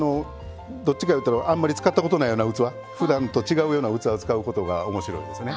どっちかいうたらあんまり使ったことのないような器ふだんと違うような器を使うことが面白いですね。